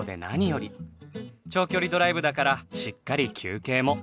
長距離ドライブだからしっかり休憩も。